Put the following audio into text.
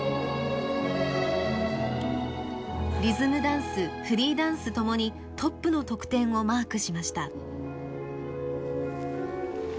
リズムダンスフリーダンスともにトップの得点をマークしました。